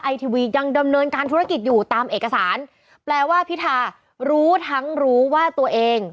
ทีวียังดำเนินการธุรกิจอยู่ตามเอกสารแปลว่าพิธารู้ทั้งรู้ว่าตัวเอง